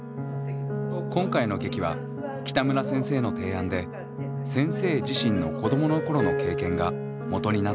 今回の劇は北村先生の提案で先生自身の子どもの頃の経験がもとになっています。